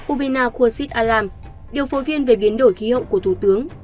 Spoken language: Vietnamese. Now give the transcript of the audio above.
ubinar khursid alam điều phối viên về biến đổi khí hậu của thủ tướng